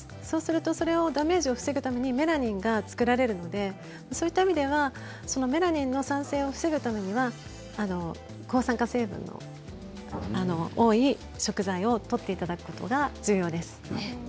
そうするとダメージを防ぐためにメラニンが作られるのでそういった意味ではメラニンの産生を防ぐためには抗酸化成分の多い食材をとっていただくことが重要です。